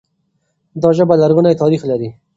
دا ژبه لرغونی تاريخ لري.